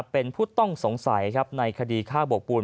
เป็นผู้ต้องสงสัยในคดีฆ่าโบกปูน